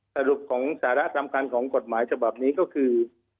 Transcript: สรุปของสาระสำคัญของกฎหมายฉบับนี้ก็คือ